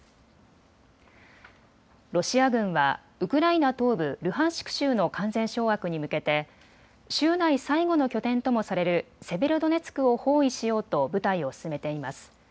ロシア軍はウクライナ東部ルハンシク州の完全掌握に向けて州内最後の拠点ともされるセベロドネツクを包囲しようと部隊を進めています。